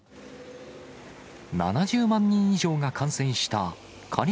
７０万人以上が感染したカリ